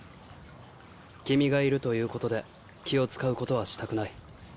君がいるということで気を遣うことはしたくない。